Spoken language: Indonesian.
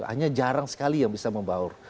hanya jarang sekali yang bisa membaur